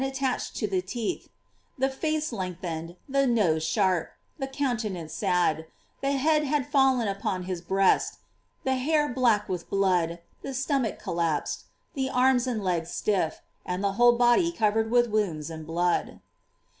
attached to the teeth; the face lengthened, the nose sharp, the countenance sad; the head had fallen upon his breast, the hair black with blood, the stomach collapsed, the arms and legs stiff, and the whole body covered with wounds and blood."